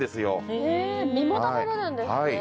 へえ身も食べられるんですね。